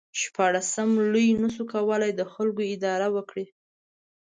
شپاړسم لویي نشو کولای د خلکو اداره وکړي.